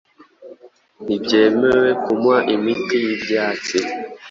ntibyemewe kumuha imiti y’ibyatsi